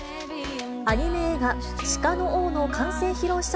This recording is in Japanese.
アニメ映画、鹿の王の完成披露